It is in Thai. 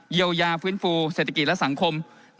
เยียวยาฟื้นฟูเศรษฐกิจและสังคม